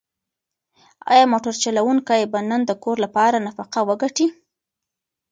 ایا موټر چلونکی به نن د کور لپاره نفقه وګټي؟